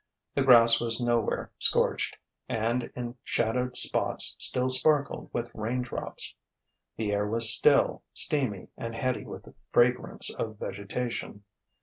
The grass was nowhere scorched, and in shadowed spots still sparkled with rain drops. The air was still, steamy, and heady with fragrance of vegetation.